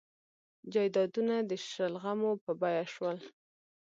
جایدادونه د شلغمو په بیه شول.